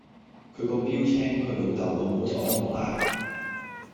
佢咁標青，佢老豆老母就安樂啦